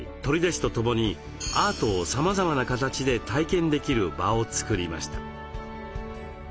取手市と共にアートをさまざまな形で体験できる場を作りました。